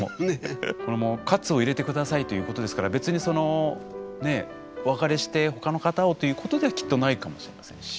この「かつを入れてください」ということですから別にそのねお別れして他の方をということではきっとないかもしれませんし。